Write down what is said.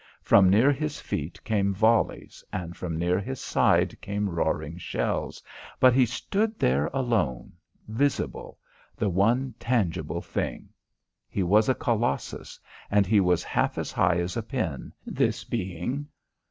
From near his feet came volleys and from near his side came roaring shells, but he stood there alone, visible, the one tangible thing. He was a Colossus, and he was half as high as a pin, this being.